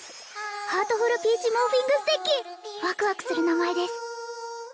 ハートフルピーチモーフィングステッキワクワクする名前です